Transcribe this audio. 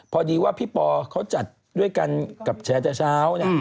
พอดีว่าพี่ปอเขาจัดด้วยกันกับแชร์แต่เช้าเนี่ย